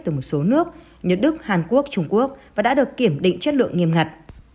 từ một số nước như đức hàn quốc trung quốc và đã được kiểm định chất lượng nghiêm ngặt